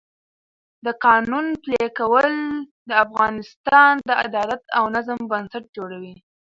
د قانون پلي کول د افغانستان د عدالت او نظم بنسټ جوړوي